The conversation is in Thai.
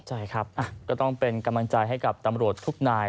ใช่ครับก็ต้องเป็นกำลังใจให้กับตำรวจทุกนาย